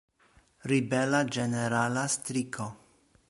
Ribela ĝenerala striko.